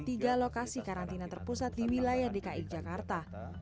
tiga lokasi karantina terpusat di wilayah dki jakarta